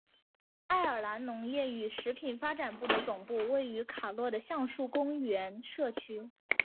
爱尔兰农业与食品发展部的总部位于卡洛的橡树公园社区。